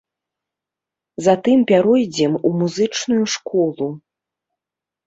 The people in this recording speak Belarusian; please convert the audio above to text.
Затым пяройдзем у музычную школу.